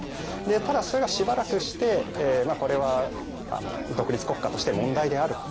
ただそれがしばらくしてこれは独立国家として問題であると。